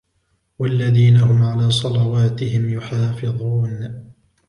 وَالَّذِينَ هُمْ عَلَى صَلَوَاتِهِمْ يُحَافِظُونَ